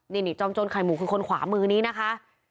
นี่จอมโจรไข่หมูคือคนขวามือนี้นะคะ